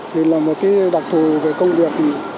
thì là một cái đặc thù về công việc